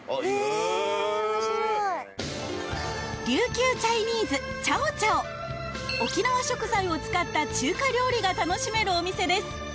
琉球チャイニーズ炒炒沖縄食材を使った中華料理が楽しめるお店です